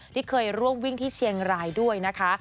ที่เคยร่วมวิ่งที่เชียงรายด้วยนะคะ